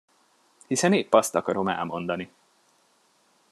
Hiszen épp azt akarom elmondani!